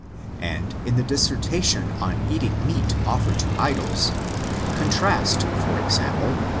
And, in the dis sertation on eating meat offered to idols, contrast for example x.